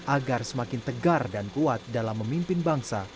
agar semakin tegar dan kuat dalam memimpin bangsa